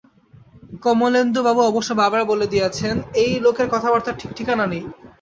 কমলেন্দুবাবু অবশ্য বারবার বলে দিয়েছেন-এই লোকের কথাবার্তার ঠিকঠিকানা নেই।